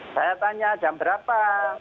saya tanya jam berapa